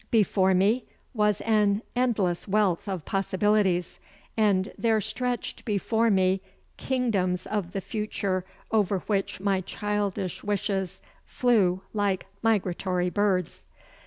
Before me was an endless wealth of possibilities; and there stretched before me kingdoms of the future over which my childish wishes flew like migratory birds.